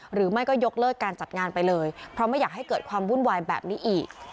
หรือไม่ก็ยกเลิกการจัดงานไปเลยเพราะไม่อยากให้เกิดความวุ่นวายแบบนี้อีก